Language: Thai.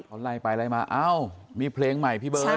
เขาไล่ไปไล่มาเอ้ามีเพลงใหม่พี่เบิร์ต